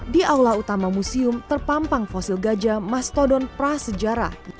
di aula utama museum terpampang fosil gajah mastodon prasejarah